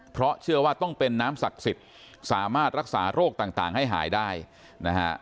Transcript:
เพราะเชื่อว่าต้องเป็นน้ำศักดิ์สิทธิ์สามารถรักษาโรคต่างให้หายได้นะฮะ